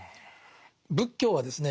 仏教はですね